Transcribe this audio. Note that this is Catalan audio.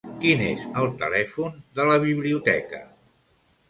Quin és el telèfon de la biblioteca?